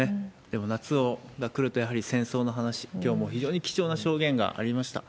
でも夏が来るとやはり戦争の話、きょうも非常に貴重な証言がありました。